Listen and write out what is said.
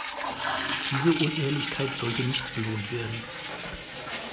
Diese Unehrlichkeit sollte nicht belohnt werden.